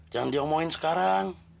jangan diomongin sekarang